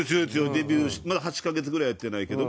デビューまだ８カ月ぐらいやってないけども強い。